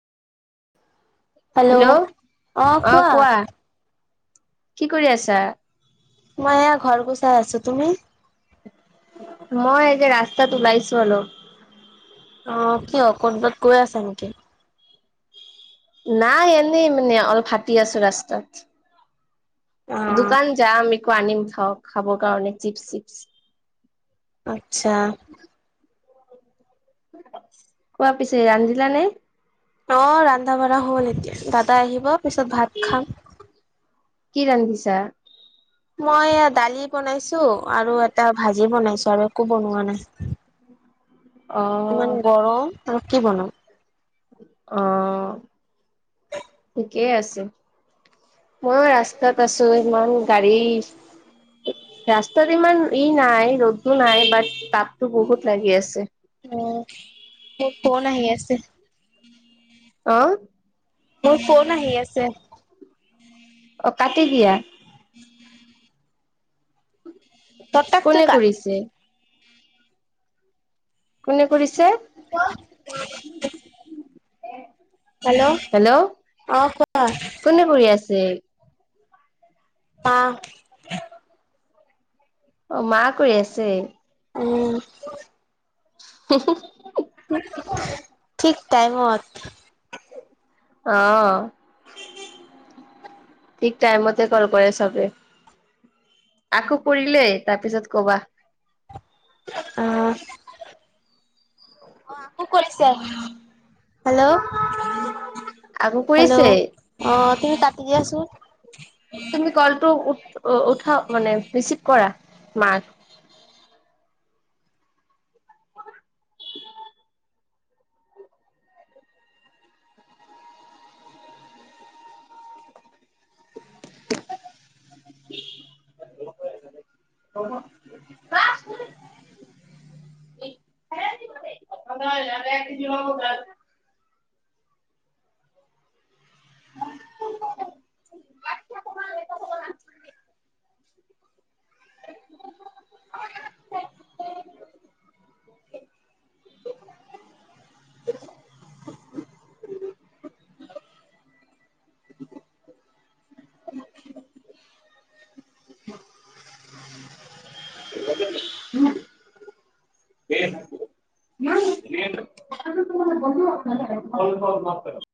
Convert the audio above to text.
Hello! অ' কোৱা? কি কৰি আছা? মই এয়া ঘৰ গুচাই আছো তুমি। মই যে ৰাস্তাত ওলাইছো অলপ। অ কিয় কোৰোবাত গৈ আছা নেকি। নাই এনেই অলপ ভাতি আছো ৰাস্তাত, অ দোকান যাম একো আনিম খাওক খাবৰ কাৰণে চিপছ চিপছ। আচ্ছা কোৱা পিছে ৰান্ধিলা নে? অ ৰন্ধা বঢ়া হল এতিয়া দাদা আহিব পিছত ভাত খাম। কি ৰান্ধিছা? মই দালি বনাইছো আৰু এটা ভাজি বনাইছো আৰু একো বনোৱা নাই। অ ইমান গৰম আৰু কি বনাওঁ। অ ঠিকেই আছে। মইউ ৰাস্তাত আছো ইমান গাড়ী। ৰাস্তাত ইমান ই নাই ৰ'দটো বাট তাপটো বহুত লাগি আছে। উ মো ফোন আহি আছে। অ মোৰ ফোন আহি আছে। অ কাটি দিয়া। [inaudible] তটাকটো কোনে কাট কৰিছে? কোনে কৰিছে? হেল্ল' অ কোৱা? কোনে কৰি আছে? পা [inaudible] অ মা কই আছে? উম [inaudible] ঠিক টাইমত। অহ ঠিক টাইমতে কল কৰে চবে। আকৌ কৰিলেই তাৰপিছত কবা। অ [inaudible] আকো কৰিছে হেল্ল' আকৌ হেল্ল' কৰিছে। অ তুমি কাতি দিয়া ছোন। তুমি কলটো উঠা মানে ৰিচিভ কৰা মাক। [unintelligible] [unintelligible] [unintelligible] মাক। [unintelligible]